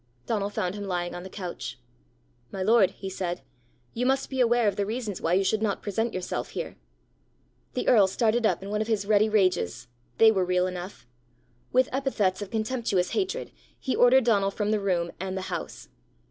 Donal found him lying on the couch. "My lord," he said, "you must be aware of the reasons why you should not present yourself here!" The earl started up in one of his ready rages: they were real enough! With epithets of contemptuous hatred, he ordered Donal from the room and the house.